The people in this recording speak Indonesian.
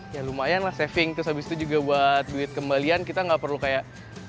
ya lumayan lah saving terus habis itu juga buat duit kembalian kita nggak perlu kayak